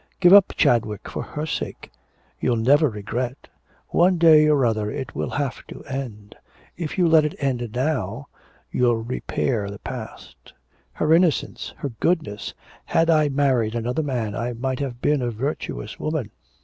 Give up Chadwick for her sake. You'll never regret. One day or other it will have to end; if you let it end now you'll repair the past.' 'Her innocence! her goodness! Had I married another man I might have been a virtuous woman.